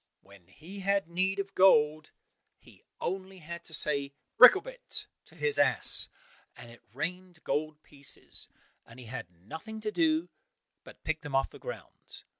When he had need of gold, he had only to say "Bricklebrit" to his ass, and it rained gold pieces, and he had nothing to do but pick them off the ground.